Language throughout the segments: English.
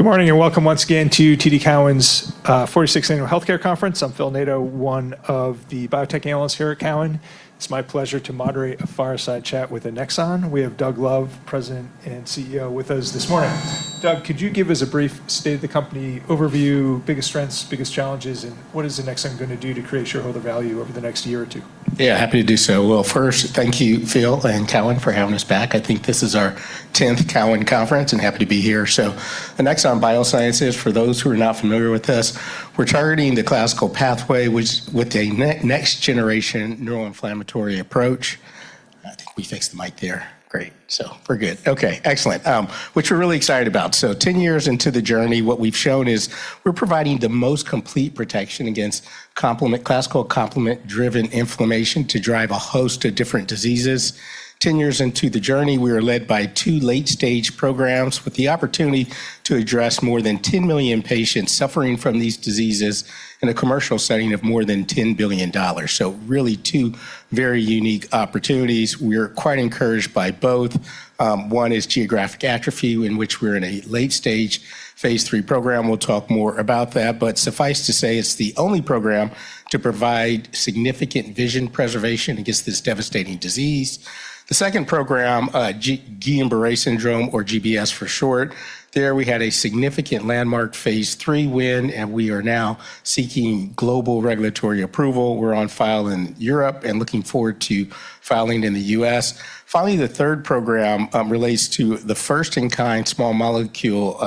Good morning, welcome once again to TD Cowen's 46th Annual Healthcare Conference. I'm Philip Nadeau, one of the biotech analysts here at Cowen. It's my pleasure to moderate a fireside chat with Annexon. We have Douglas Love, President and CEO, with us this morning. Doug, could you give us a brief state of the company overview, biggest strengths, biggest challenges, and what is Annexon gonna do to create shareholder value over the next year or two? Yeah, happy to do so. Well, first, thank you, Phil and Cowen for having us back. I think this is our tenth Cowen conference, and happy to be here. Annexon Biosciences, for those who are not familiar with us, we're targeting the classical pathway with a next-generation neuroinflammatory approach. I think we fixed the mic there. Great. We're good. Okay, excellent, which we're really excited about. 10 years into the journey, what we've shown is we're providing the most complete protection against complement, classical complement-driven inflammation to drive a host of different diseases. 10 years into the journey, we are led by two late-stage programs with the opportunity to address more than 10 million patients suffering from these diseases in a commercial setting of more than $10 billion. Really two very unique opportunities. We're quite encouraged by both. One is geographic atrophy, in which we're in a late stage Phase III program. We'll talk more about that. Suffice to say it's the only program to provide significant vision preservation against this devastating disease. The second program, Guillain-Barré syndrome, or GBS for short, there we had a significant landmark Phase III win. We are now seeking global regulatory approval. We're on file in Europe and looking forward to filing in the U.S. Finally, the third program relates to the first-in-kind small molecule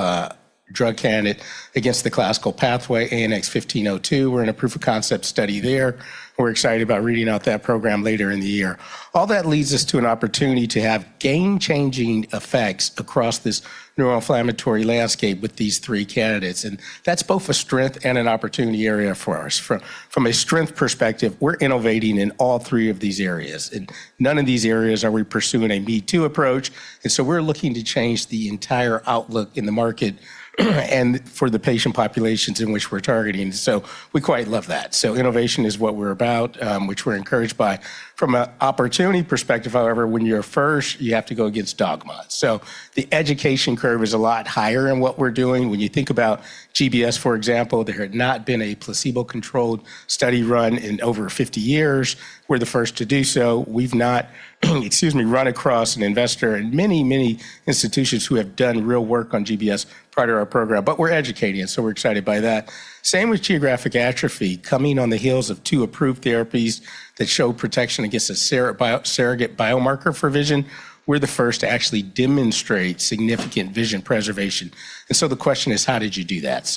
drug candidate against the classical pathway, ANX1502. We're in a proof of concept study there. We're excited about reading out that program later in the year. All that leads us to an opportunity to have game-changing effects across this neuroinflammatory landscape with these 3 candidates. That's both a strength and an opportunity area for us. From a strength perspective, we're innovating in all three of these areas, and none of these areas are we pursuing a me-too approach. We're looking to change the entire outlook in the market and for the patient populations in which we're targeting, so we quite love that. Innovation is what we're about, which we're encouraged by. From a opportunity perspective, however, when you're first, you have to go against dogma. The education curve is a lot higher in what we're doing. When you think about GBS, for example, there had not been a placebo-controlled study run in over 50 years. We're the first to do so. We've not, excuse me, run across an investor and many institutions who have done real work on GBS prior to our program, but we're educating, and so we're excited by that. Same with geographic atrophy. Coming on the heels of two approved therapies that show protection against a surrogate biomarker for vision, we're the first to actually demonstrate significant vision preservation. The question is, how did you do that?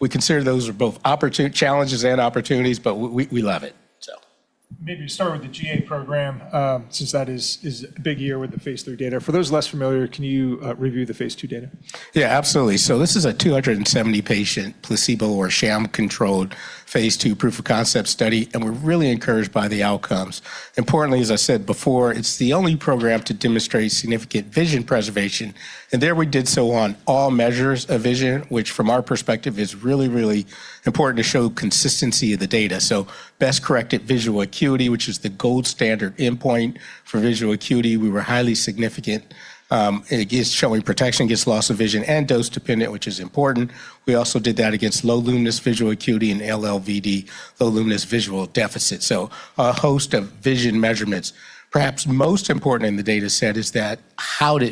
We consider those are both challenges and opportunities, but we love it. Start with the GA program, since that is a big year with the Phase III data. For those less familiar, can you review the Phase II data? Absolutely. This is a 270 patient placebo or sham-controlled Phase II proof of concept study, we're really encouraged by the outcomes. Importantly, as I said before, it's the only program to demonstrate significant vision preservation, there we did so on all measures of vision, which from our perspective is really, really important to show consistency of the data. Best corrected visual acuity, which is the gold standard endpoint for visual acuity, we were highly significant against showing protection against loss of vision and dose-dependent, which is important. We also did that against low luminance visual acuity and LLD, low luminance visual deficit. A host of vision measurements. Perhaps most important in the data set is that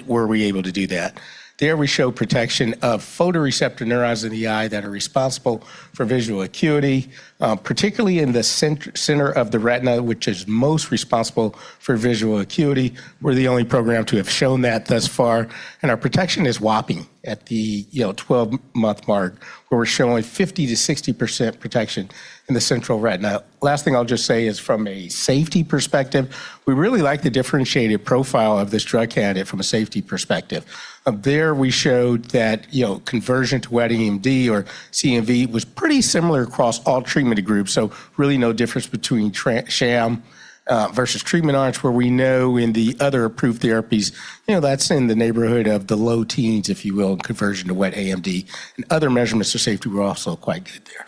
were we able to do that? There we show protection of photoreceptor neurons in the eye that are responsible for visual acuity, particularly in the center of the retina, which is most responsible for visual acuity. We're the only program to have shown that thus far, our protection is whopping at the, you know, 12-month mark, where we're showing 50%-60% protection in the central retina. Last thing I'll just say is from a safety perspective, we really like the differentiated profile of this drug candidate from a safety perspective. There we showed that, you know, conversion to wet AMD or CNV was pretty similar across all treatment groups. Really no difference between sham versus treatment arms, where we know in the other approved therapies, you know, that's in the neighborhood of the low teens, if you will, in conversion to wet AMD. Other measurements for safety were also quite good there.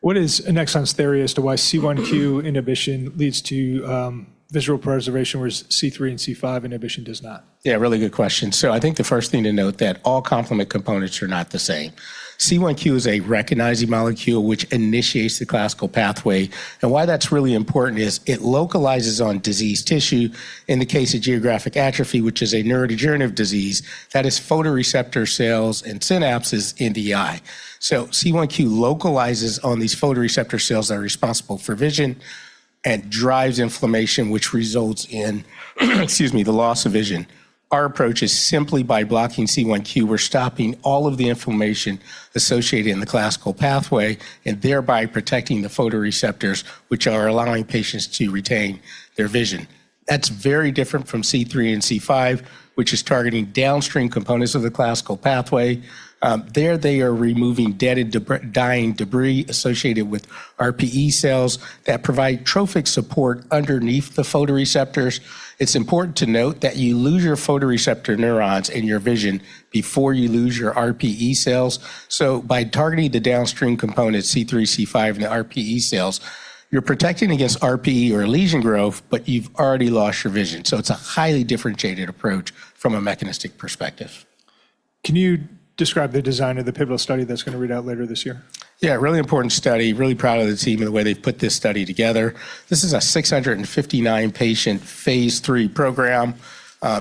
What is Annexon's theory as to why C1q inhibition leads to visual preservation, whereas C3 and C5 inhibition does not? Yeah, really good question. I think the first thing to note that all complement components are not the same. C1q is a recognizing molecule which initiates the classical pathway, and why that's really important is it localizes on diseased tissue in the case of geographic atrophy, which is a neurodegenerative disease, that is photoreceptor cells and synapses in the eye. C1q localizes on these photoreceptor cells that are responsible for vision and drives inflammation, which results in, excuse me, the loss of vision. Our approach is simply by blocking C1q, we're stopping all of the inflammation associated in the classical pathway and thereby protecting the photoreceptors, which are allowing patients to retain their vision. That's very different from C3 and C5, which is targeting downstream components of the classical pathway. there they are removing dead and dying debris associated with RPE cells that provide trophic support underneath the photoreceptors. It's important to note that you lose your photoreceptor neurons and your vision before you lose your RPE cells. By targeting the downstream component, C3, C5, and the RPE cells You're protecting against RPE or lesion growth, but you've already lost your vision. It's a highly differentiated approach from a mechanistic perspective. Can you describe the design of the pivotal study that's gonna read out later this year? Really important study. Really proud of the team and the way they've put this study together. This is a 659 patient Phase III program,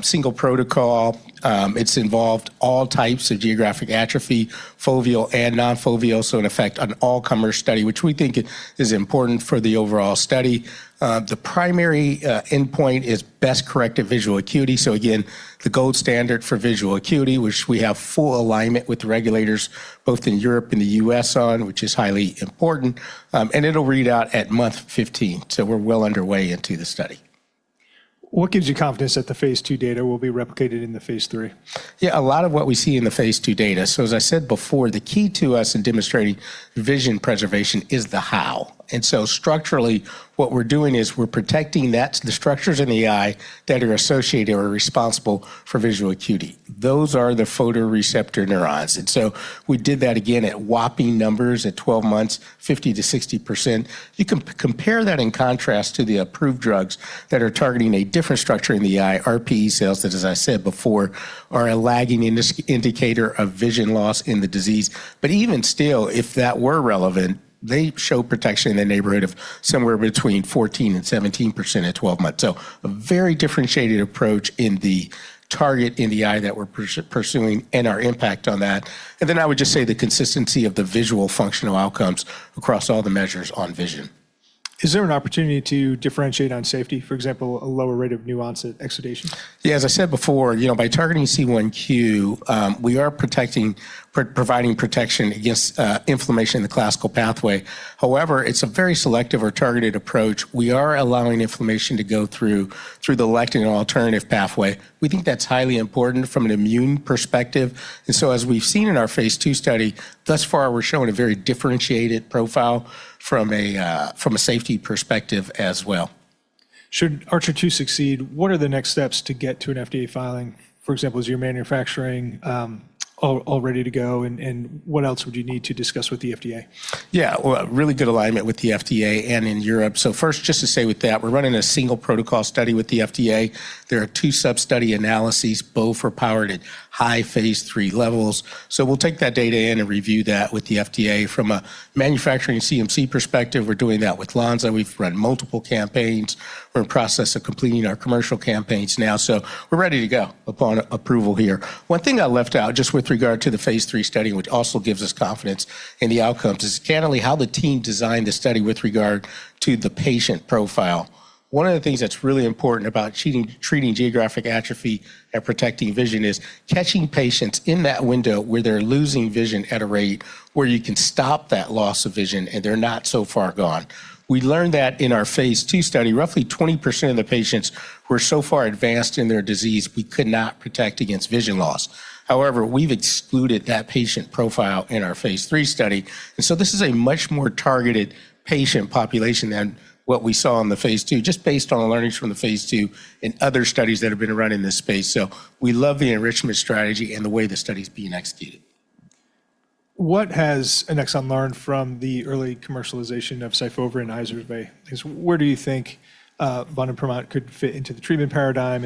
single protocol. It's involved all types of geographic atrophy, foveal and non-foveal. In effect, an all-comer study, which we think is important for the overall study. The primary endpoint is best corrected visual acuity. Again, the gold standard for visual acuity, which we have full alignment with the regulators both in Europe and the U.S. on, which is highly important. It'll read out at month 15, we're well underway into the study. What gives you confidence that the Phase II data will be replicated in the phase III? Yeah, a lot of what we see in the Phase II data. As I said before, the key to us in demonstrating vision preservation is the how. Structurally, what we're doing is we're protecting that, the structures in the eye that are associated or responsible for visual acuity. Those are the photoreceptor neurons. We did that again at whopping numbers at 12 months, 50%-60%. You compare that in contrast to the approved drugs that are targeting a different structure in the eye, RPE cells that, as I said before, are a lagging indicator of vision loss in the disease. Even still, if that were relevant, they show protection in the neighborhood of somewhere between 14% and 17% at 12 months. A very differentiated approach in the target in the eye that we're pursuing and our impact on that. I would just say the consistency of the visual functional outcomes across all the measures on vision. Is there an opportunity to differentiate on safety, for example, a lower rate of new-onset exudation? Yeah, as I said before, you know, by targeting C1q, we are providing protection against inflammation in the classical pathway. However, it's a very selective or targeted approach. We are allowing inflammation to go through the lectin alternative pathway. We think that's highly important from an immune perspective. As we've seen in our Phase II study, thus far, we're showing a very differentiated profile from a safety perspective as well. Should ARCHER succeed, what are the next steps to get to an FDA filing? For example, is your manufacturing, all ready to go, and what else would you need to discuss with the FDA? Yeah. Well, really good alignment with the FDA and in Europe. First, just to say with that, we're running a single protocol study with the FDA. There are two sub-study analyses, both are powered at high Phase III levels. We'll take that data in and review that with the FDA. From a manufacturing CMC perspective, we're doing that with Lonza. We've run multiple campaigns. We're in process of completing our commercial campaigns now. We're ready to go upon approval here. One thing I left out just with regard to the Phase III study, which also gives us confidence in the outcomes, is candidly how the team designed the study with regard to the patient profile. One of the things that's really important about treating geographic atrophy and protecting vision is catching patients in that window where they're losing vision at a rate where you can stop that loss of vision and they're not so far gone. We learned that in our Phase II study. Roughly 20% of the patients were so far advanced in their disease, we could not protect against vision loss. However, we've excluded that patient profile in our Phase III study. This is a much more targeted patient population than what we saw in the Phase II, just based on the learnings from the Phase II and other studies that have been run in this space. We love the enrichment strategy and the way the study's being executed. What has Annexon learned from the early commercialization of SYFOVRE and IZERVAY? Where do you think ANX007 could fit into the treatment paradigm?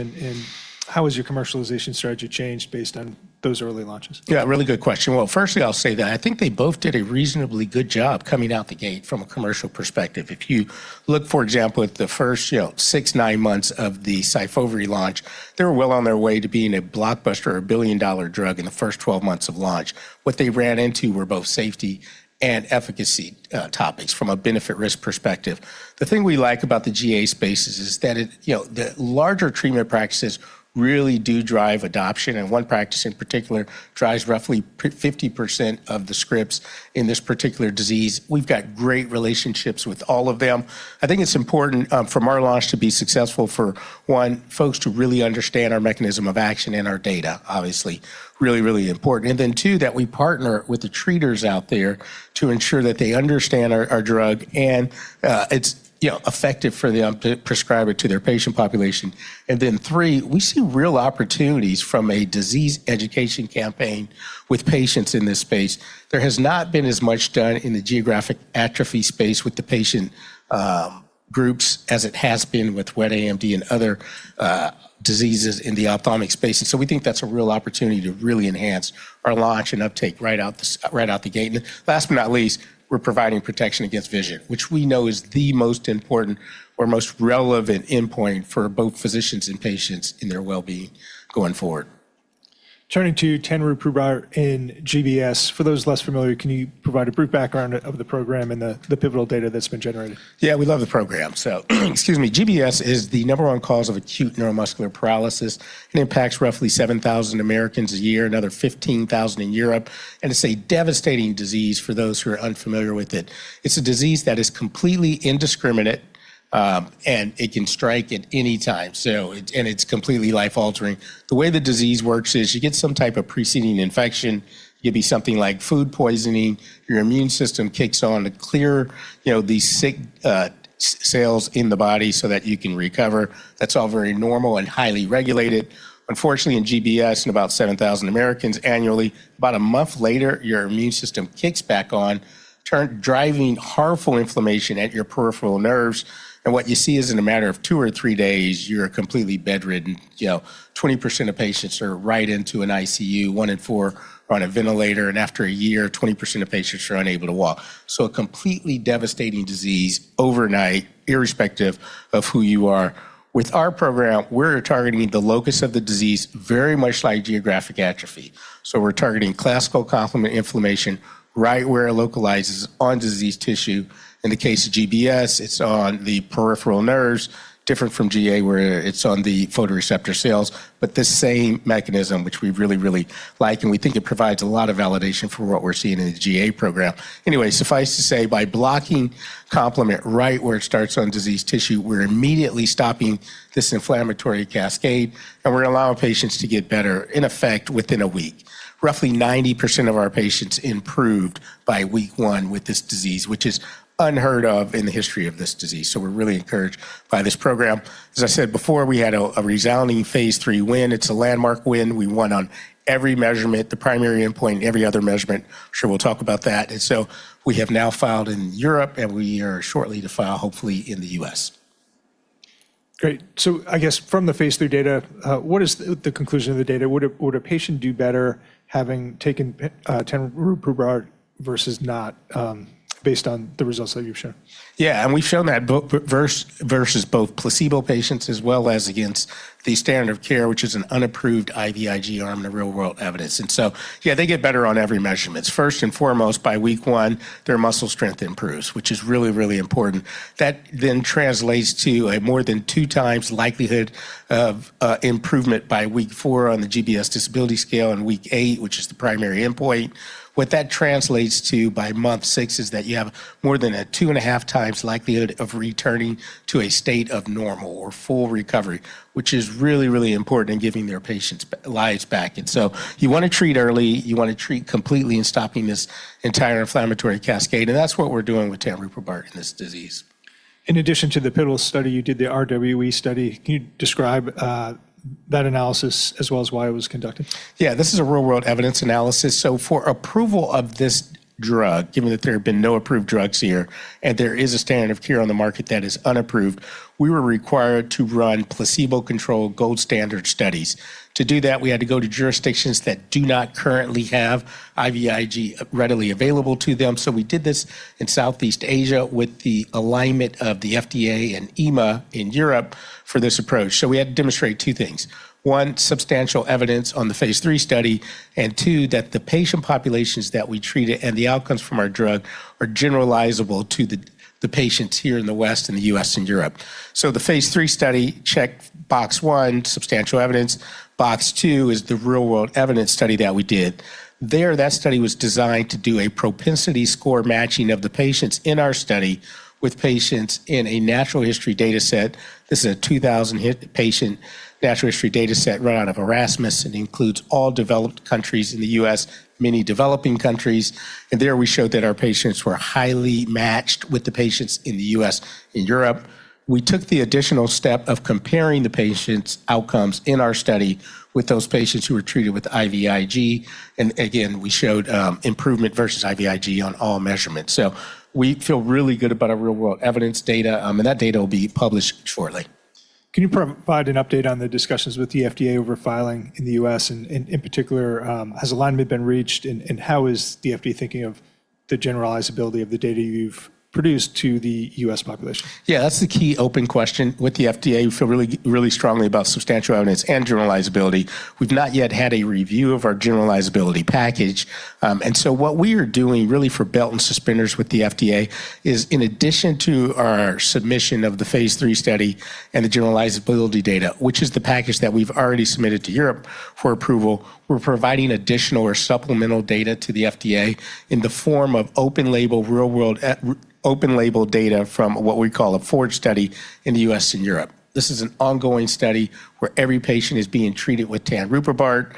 How has your commercialization strategy changed based on those early launches? Really good question. Well, firstly, I'll say that I think they both did a reasonably good job coming out the gate from a commercial perspective. If you look, for example, at the first, you know, six, nine months of the SYFOVRE launch, they were well on their way to being a blockbuster or a $1 billion drug in the first 12 months of launch. They ran into were both safety and efficacy topics from a benefit risk perspective. The thing we like about the GA space is that it, you know, the larger treatment practices really do drive adoption, and one practice, in particular, drives roughly 50% of the scripts in this particular disease. We've got great relationships with all of them. I think it's important for our launch to be successful for, one, folks to really understand our mechanism of action and our data, obviously, really, really important. Then two, that we partner with the treaters out there to ensure that they understand our drug and it's, you know, effective for them to prescribe it to their patient population. Then three, we see real opportunities from a disease education campaign with patients in this space. There has not been as much done in the geographic atrophy space with the patient groups as it has been with wet AMD and other diseases in the ophthalmic space. So we think that's a real opportunity to really enhance our launch and uptake right out the gate. Last but not least, we're providing protection against vision, which we know is the most important or most relevant endpoint for both physicians and patients in their well-being going forward. Turning to tanruprubart in GBS. For those less familiar, can you provide a brief background of the program and the pivotal data that's been generated? Yeah, we love the program. Excuse me. GBS is the number one cause of acute neuromuscular paralysis. It impacts roughly 7,000 Americans a year, another 15,000 in Europe. And it's a devastating disease for those who are unfamiliar with it. It's a disease that is completely indiscriminate, and it can strike at any time. And it's completely life-altering. The way the disease works is you get some type of preceding infection, could be something like food poisoning. Your immune system kicks on to clear, you know, these sick cells in the body so that you can recover. That's all very normal and highly regulated. Unfortunately, in GBS, in about 7,000 Americans annually, about a month later, your immune system kicks back on, driving harmful inflammation at your peripheral nerves. What you see is in a matter of 2 or 3 days, you're completely bedridden. You know, 20% of patients are right into an ICU, 1 in 4 are on a ventilator, and after a year, 20% of patients are unable to walk. A completely devastating disease overnight, irrespective of who you are. With our program, we're targeting the locus of the disease very much like geographic atrophy. We're targeting classical complement inflammation right where it localizes on diseased tissue. In the case of GBS, it's on the peripheral nerves, different from GA where it's on the photoreceptor neurons. The same mechanism, which we really, really like, and we think it provides a lot of validation for what we're seeing in the GA program. Suffice to say, by blocking complement right where it starts on diseased tissue, we're immediately stopping this inflammatory cascade, and we're allowing patients to get better, in effect, within a week. Roughly 90% of our patients improved by week one with this disease, which is unheard of in the history of this disease. We're really encouraged by this program. As I said before, we had a resounding Phase III win. It's a landmark win. We won on every measurement, the primary endpoint, every other measurement. I'm sure we'll talk about that. We have now filed in Europe, and we are shortly to file, hopefully, in the U.S. Great. I guess from the Phase III data, what is the conclusion of the data? Would a, would a patient do better having taken tanruprubart versus not, based on the results that you've shown? Yeah, we've shown that versus both placebo patients as well as against the standard of care, which is an unapproved IVIG arm in the real-world evidence. Yeah, they get better on every measurements. First and foremost, by week one, their muscle strength improves, which is really important. That then translates to a more than 2 times likelihood of improvement by week 4 on the GBS Disability Scale and week 8, which is the primary endpoint. What that translates to by month 6 is that you have more than a 2 and a half times likelihood of returning to a state of normal or full recovery, which is really important in giving their patients lives back. You wanna treat early, you wanna treat completely in stopping this entire inflammatory cascade, and that's what we're doing with tanruprubart in this disease. In addition to the pivotal study, you did the RWE study. Can you describe that analysis as well as why it was conducted? Yeah. This is a real world evidence analysis. For approval of this drug, given that there have been no approved drugs here and there is a standard of care on the market that is unapproved, we were required to run placebo-controlled gold standard studies. To do that, we had to go to jurisdictions that do not currently have IVIG readily available to them. We did this in Southeast Asia with the alignment of the FDA and EMA in Europe for this approach. We had to demonstrate two things: One, substantial evidence on the Phase III study, and two, that the patient populations that we treated and the outcomes from our drug are generalizable to the patients here in the West and the US and Europe. The Phase III study checked box one, substantial evidence. Box two is the real world evidence study that we did. There, that study was designed to do a propensity score matching of the patients in our study with patients in a natural history dataset. This is a 2,000 hit patient natural history dataset run out of Erasmus. It includes all developed countries in the US, many developing countries. There we showed that our patients were highly matched with the patients in the US and Europe. We took the additional step of comparing the patients' outcomes in our study with those patients who were treated with IVIG. Again, we showed improvement versus IVIG on all measurements. We feel really good about our real-world evidence data, and that data will be published shortly. Can you provide an update on the discussions with the FDA over filing in the US, and in particular, has alignment been reached and how is the FDA thinking of the generalizability of the data you've produced to the US population? That's the key open question with the FDA. We feel really strongly about substantial evidence and generalizability. We've not yet had a review of our generalizability package. What we are doing really for belt and suspenders with the FDA is in addition to our submission of the Phase III study and the generalizability data, which is the package that we've already submitted to Europe for approval, we're providing additional or supplemental data to the FDA in the form of open label real-world open label data from what we call a FORGE study in the US and Europe. This is an ongoing study where every patient is being treated with tanruprubart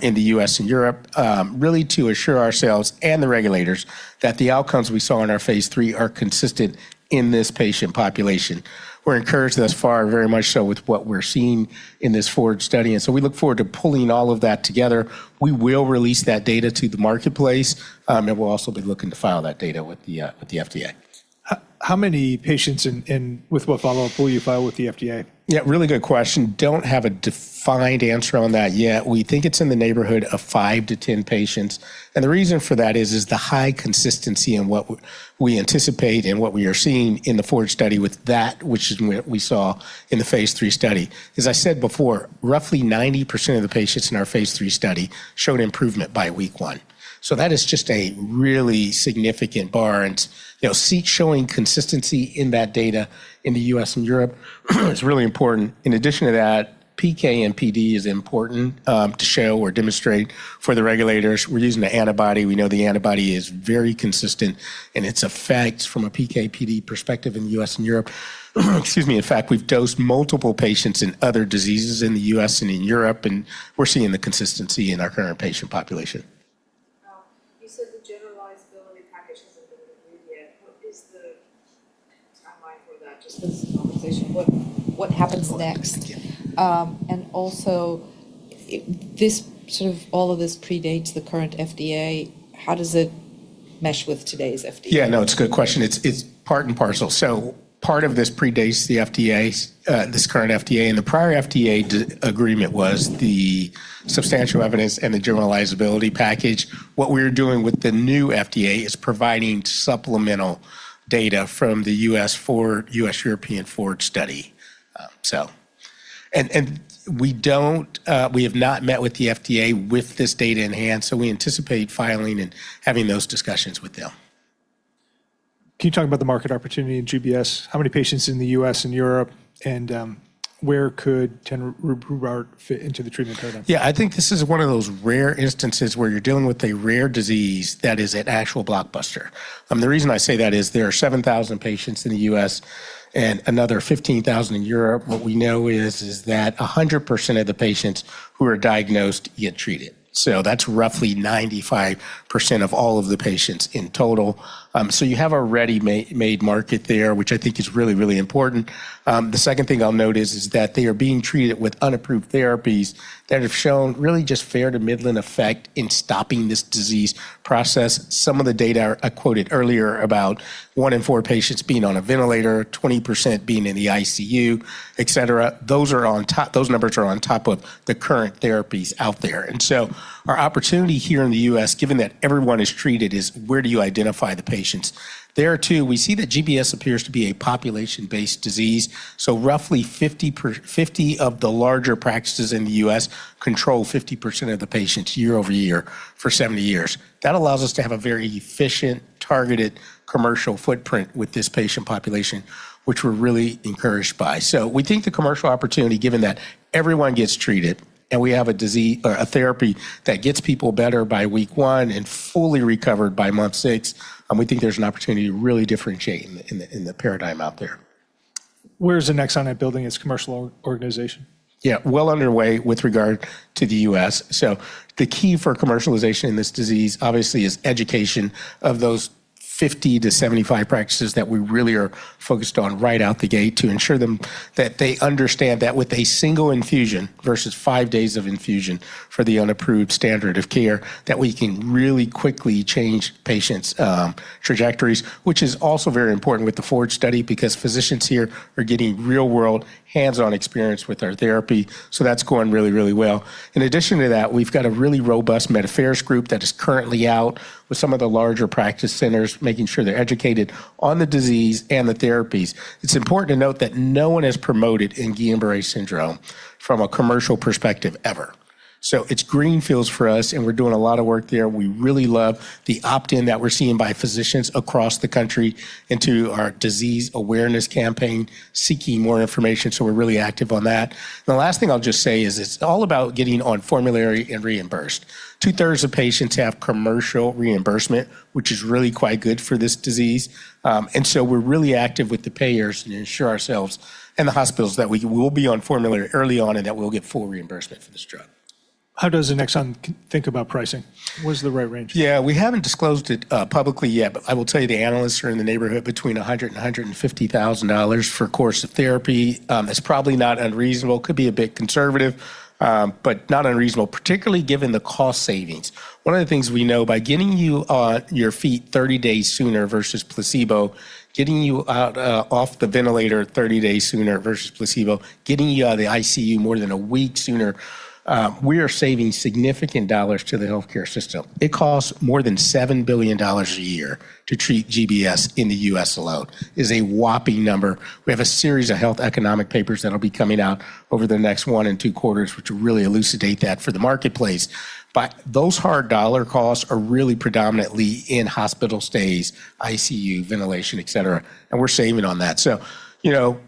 in the US and Europe, really to assure ourselves and the regulators that the outcomes we saw in our Phase III are consistent in this patient population. We're encouraged thus far, very much so with what we're seeing in this FORGE study. We look forward to pulling all of that together. We will release that data to the marketplace, and we'll also be looking to file that data with the FDA. How many patients in with what follow-up will you file with the FDA? Yeah, really good question. Don't have a defined answer on that yet. We think it's in the neighborhood of 5-10 patients. The reason for that is the high consistency in what we anticipate and what we are seeing in the FORGE study with that we saw in the Phase III study. As I said before, roughly 90% of the patients in our Phase III study showed improvement by week one. That is just a really significant bar. And, you know, showing consistency in that data in the U.S. and Europe is really important. In addition to that, PK and PD is important to show or demonstrate for the regulators. We're using the antibody. We know the antibody is very consistent in its effects from a PK/PD perspective in the U.S. and Europe. Excuse me. In fact, we've dosed multiple patients in other diseases in the U.S. and in Europe, and we're seeing the consistency in our current patient population. You said the generalizability package hasn't been approved yet. What is the timeline for that? Just this conversation, what happens next? Also this sort of-- all of this predates the current FDA. How does it mesh with today's FDA? Yeah. No, it's a good question. It's, it's part and parcel. Part of this predates the FDA's, this current FDA. The prior FDA agreement was the substantial evidence and the generalizability package. What we're doing with the new FDA is providing supplemental data from the U.S. European FORGE study. We don't, we have not met with the FDA with this data in hand, so we anticipate filing and having those discussions with them. Can you talk about the market opportunity in GBS? How many patients in the U.S. and Europe, and where could tanruprubart fit into the treatment paradigm? I think this is one of those rare instances where you're dealing with a rare disease that is an actual blockbuster. The reason I say that is there are 7,000 patients in the U.S. and another 15,000 in Europe. What we know is that 100% of the patients who are diagnosed get treated. That's roughly 95% of all of the patients in total. You have a ready-made market there, which I think is really, really important. The second thing I'll note is that they are being treated with unapproved therapies that have shown really just fair to middling effect in stopping this disease process. Some of the data I quoted earlier about one in four patients being on a ventilator, 20% being in the ICU, etc, those numbers are on top of the current therapies out there. Our opportunity here in the U.S., given that everyone is treated, is where do you identify the patients? There are two. We see that GBS appears to be a population-based disease. Roughly 50 of the larger practices in the U.S. control 50% of the patients year-over-year for 70 years. That allows us to have a very efficient, targeted commercial footprint with this patient population, which we're really encouraged by. We think the commercial opportunity, given that everyone gets treated and we have a disease or a therapy that gets people better by week one and fully recovered by month six, we think there's an opportunity to really differentiate in the paradigm out there. Where is Annexon at building its commercial organization? Well underway with regard to the U.S. The key for commercialization in this disease obviously is education of those 50-75 practices that we really are focused on right out the gate to ensure them that they understand that with a single infusion versus 5 days of infusion for the unapproved standard of care, that we can really quickly change patients' trajectories. Which is also very important with the FORGE study because physicians here are getting real world hands-on experience with our therapy. That's going really well. In addition to that, we've got a really robust med affairs group that is currently out with some of the larger practice centers, making sure they're educated on the disease and the therapies. It's important to note that no one has promoted in Guillain-Barré syndrome from a commercial perspective ever. It's greenfields for us, and we're doing a lot of work there. We really love the opt-in that we're seeing by physicians across the country into our disease awareness campaign, seeking more information. We're really active on that. The last thing I'll just say is it's all about getting on formulary and reimbursed. 2/3 of patients have commercial reimbursement, which is really quite good for this disease. We're really active with the payers and ensure ourselves and the hospitals that we will be on formulary early on and that we'll get full reimbursement for this drug. How does Annexon think about pricing? What is the right range? Yeah. We haven't disclosed it publicly yet. I will tell you the analysts are in the neighborhood between $100,000-$150,000 for a course of therapy. It's probably not unreasonable. Could be a bit conservative, not unreasonable, particularly given the cost savings. One of the things we know by getting you on your feet 30 days sooner versus placebo, getting you off the ventilator 30 days sooner versus placebo, getting you out of the ICU more than a week sooner, we are saving significant dollars to the healthcare system. It costs more than $7 billion a year to treat GBS in the U.S. alone. It's a whopping number. We have a series of health economic papers that'll be coming out over the next 1 and 2 quarters, which will really elucidate that for the marketplace. Those hard dollar costs are really predominantly in hospital stays, ICU, ventilation, etc, and we're saving on that. You know,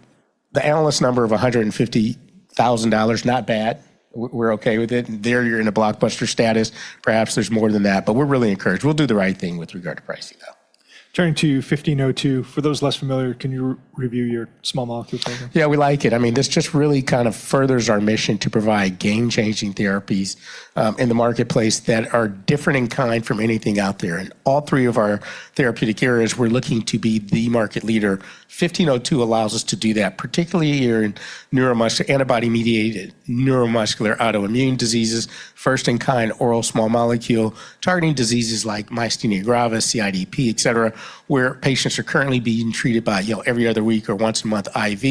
the analyst number of $150,000, not bad. We're okay with it. There you're in a blockbuster status. Perhaps there's more than that, but we're really encouraged. We'll do the right thing with regard to pricing, though. Turning to ANX1502, for those less familiar, can you review your small molecule program? Yeah, we like it. I mean, this just really kind of furthers our mission to provide game-changing therapies in the marketplace that are different in kind from anything out there. In all three of our therapeutic areas, we're looking to be the market leader. 1502 allows us to do that, particularly here in neuromuscular antibody-mediated neuromuscular autoimmune diseases, first in kind oral small molecule targeting diseases like myasthenia gravis, CIDP, etc, where patients are currently being treated by, you know, every other week or once a month IV.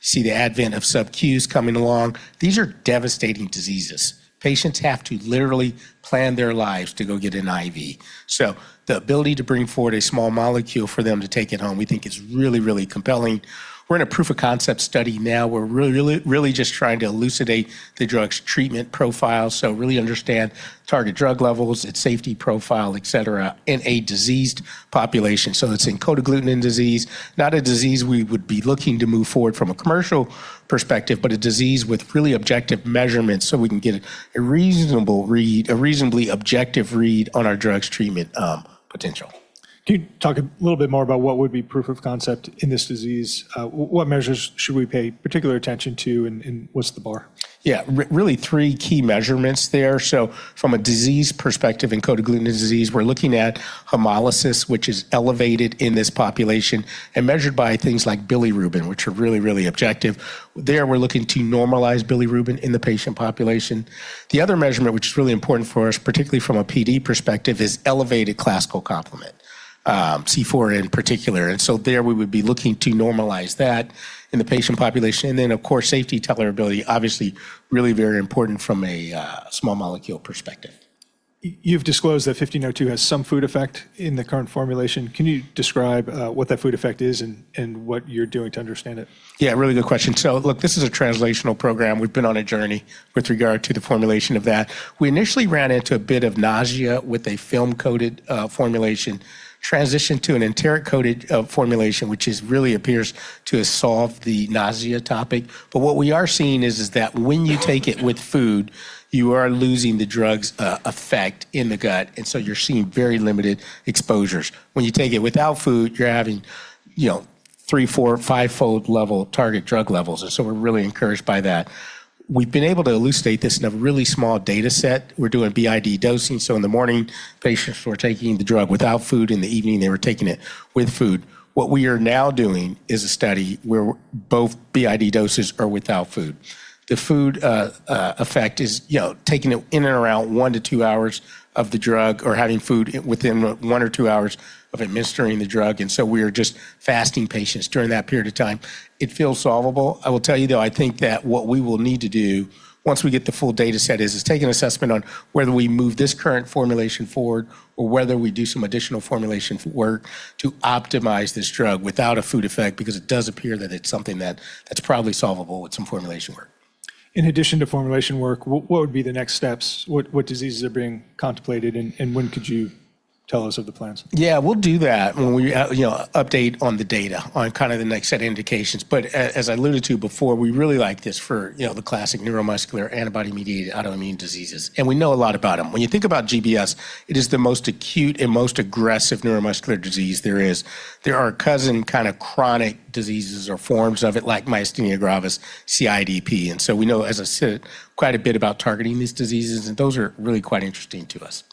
See the advent of Sub-Q coming along. These are devastating diseases. Patients have to literally plan their lives to go get an IV. The ability to bring forward a small molecule for them to take it home, we think is really, really compelling. We're in a proof of concept study now. We're really just trying to elucidate the drug's treatment profile, so really understand target drug levels, its safety profile, etc, in a diseased population. It's in cold agglutinin disease, not a disease we would be looking to move forward from a commercial perspective, but a disease with really objective measurements, so we can get a reasonable read, a reasonably objective read on our drug's treatment potential. Can you talk a little bit more about what would be proof of concept in this disease? What measures should we pay particular attention to, and what's the bar? Really three key measurements there. From a disease perspective in Guillain-Barré syndrome, we're looking at hemolysis, which is elevated in this population and measured by things like bilirubin, which are really, really objective. There, we're looking to normalize bilirubin in the patient population. The other measurement which is really important for us, particularly from a PD perspective, is elevated classical complement C4 in particular. There, we would be looking to normalize that in the patient population. Of course, safety tolerability, obviously, really very important from a small molecule perspective. You've disclosed that ANX1502 has some food effect in the current formulation. Can you describe what that food effect is and what you're doing to understand it? Really good question. Look, this is a translational program. We've been on a journey with regard to the formulation of that. We initially ran into a bit of nausea with a film-coated formulation, transitioned to an enteric-coated formulation, which is really appears to have solved the nausea topic. What we are seeing is that when you take it with food, you are losing the drug's effect in the gut, you're seeing very limited exposures. When you take it without food, you're having, you know, 3, 4, 5-fold level target drug levels. We're really encouraged by that. We've been able to elucidate this in a really small data set. We're doing BID dosing. In the morning, patients were taking the drug without food. In the evening, they were taking it with food. What we are now doing is a study where both BID doses are without food. The food effect is, you know, taking it in and around one to two hours of the drug or having food within one or two hours of administering the drug. We are just fasting patients during that period of time. It feels solvable. I will tell you, though, I think that what we will need to do once we get the full data set is take an assessment on whether we move this current formulation forward or whether we do some additional formulation work to optimize this drug without a food effect, because it does appear that it's something that's probably solvable with some formulation work. In addition to formulation work, what would be the next steps? What diseases are being contemplated? When could you tell us of the plans? Yeah, we'll do that when we, you know, update on the data on kind of the next set of indications. As I alluded to before, we really like this for, you know, the classic neuromuscular antibody-mediated autoimmune diseases, and we know a lot about them. When you think about GBS, it is the most acute and most aggressive neuromuscular disease there is. There are cousin kind of chronic diseases or forms of it, like myasthenia gravis, CIDP. We know, as I said, quite a bit about targeting these diseases, and those are really quite interesting to us.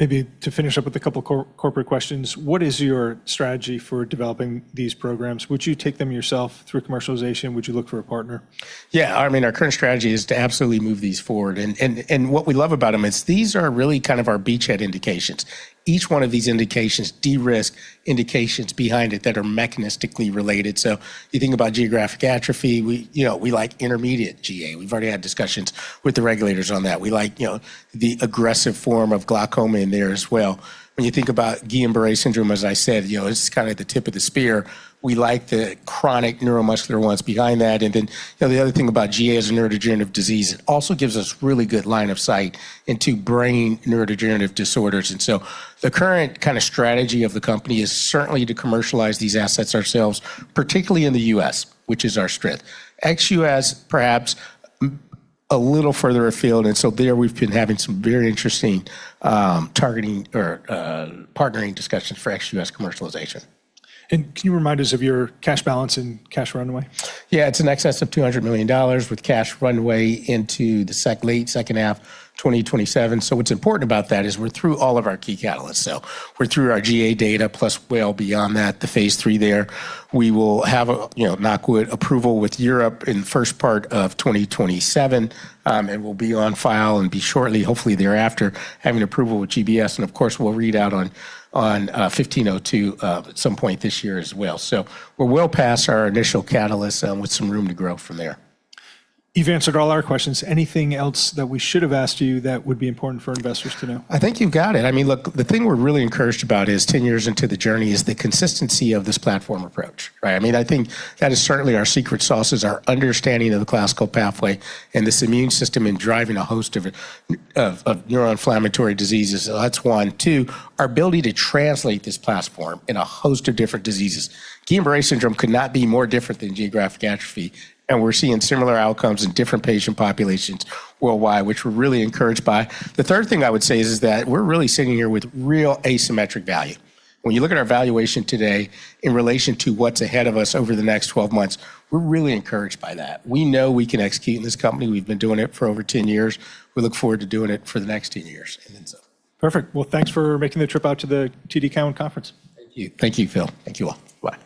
Maybe to finish up with a couple corporate questions, what is your strategy for developing these programs? Would you take them yourself through commercialization? Would you look for a partner? Yeah. I mean, our current strategy is to absolutely move these forward. What we love about them is these are really kind of our beachhead indications. Each one of these indications de-risk indications behind it that are mechanistically related. You think about geographic atrophy, we, you know, we like intermediate GA. We've already had discussions with the regulators on that. We like, you know, the aggressive form of glaucoma in there as well. When you think about Guillain-Barré syndrome, as I said, you know, this is kinda the tip of the spear. We like the chronic neuromuscular ones behind that. You know, the other thing about GA as a neurodegenerative disease, it also gives us really good line of sight into brain neurodegenerative disorders. The current kind of strategy of the company is certainly to commercialize these assets ourselves, particularly in the U.S., which is our strength. Ex-U.S., perhaps a little further afield. There, we've been having some very interesting, targeting or partnering discussions for ex-U.S. commercialization. Can you remind us of your cash balance and cash runway? Yeah. It's in excess of $200 million with cash runway into the late second half 2027. What's important about that is we're through all of our key catalysts. We're through our GA data, plus well beyond that, the Phase III there. We will have a, you know, MAA approval with Europe in the first part of 2027, and we'll be on file and be shortly, hopefully thereafter, having approval with GBS. Of course, we'll read out on ANX1502 at some point this year as well. We're well past our initial catalyst with some room to grow from there. You've answered all our questions. Anything else that we should have asked you that would be important for investors to know? I think you've got it. I mean, look, the thing we're really encouraged about is 10 years into the journey is the consistency of this platform approach, right? I mean, I think that is certainly our secret sauce, is our understanding of the classical pathway and this immune system in driving a host of neuroinflammatory diseases. That's 1. 2, our ability to translate this platform in a host of different diseases. Guillain-Barré syndrome could not be more different than geographic atrophy, and we're seeing similar outcomes in different patient populations worldwide, which we're really encouraged by. The third thing I would say is that we're really sitting here with real asymmetric value. When you look at our valuation today in relation to what's ahead of us over the next 12 months, we're really encouraged by that. We know we can execute in this company. We've been doing it for over 10 years. We look forward to doing it for the next 10 years. Perfect. Well, thanks for making the trip out to the TD Cowen conference. Thank you. Thank you, Phil. Thank you, all. Bye.